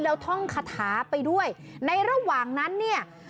แล้วท่องคาถาไปด้วยในระหว่างนั้นเนี่ย